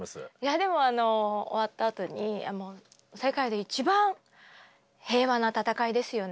でも終わったあとに「世界で一番平和な戦いですよね」